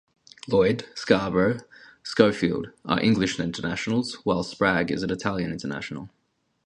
Lloyd, Scarbrough, Schofield are England Internationals whilst Spragg is an Italian International.